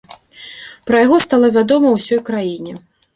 Пра яго стала вядома ўсёй краіне.